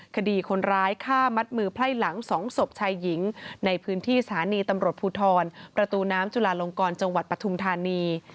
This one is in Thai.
คดีคนร้ายฆ่ามัดมือไพร่หลัง๒ศพชายหญิงในพื้นที่สถานีตำรวจภูทรประตูน้ำจุลาลงกรจังหวัดปฐุมธานี